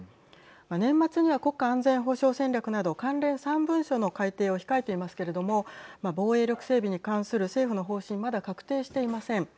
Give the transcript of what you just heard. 年末には国家安全保障戦略など関連３文書の改定を控えていますけれども防衛力整備に関する政府の方針まだ確定していません。